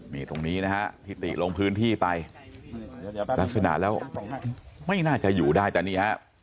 มีตรงนี้นะครับพิติลงพื้นที่ไปลักษณะแล้วไม่น่าจะอยู่ได้ตอนนี้ครับ